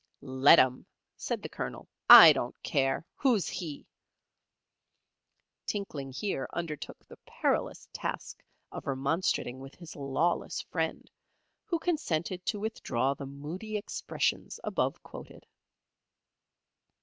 "Let 'em," said the Colonel. "I don't care. Who's he?" Tinkling here undertook the perilous task of remonstrating with his lawless friend, who consented to withdraw the moody expressions above quoted.